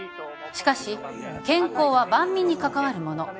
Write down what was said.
しかし健康は万民に関わるもの